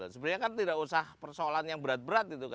sebenarnya kan tidak usah persoalan yang berat berat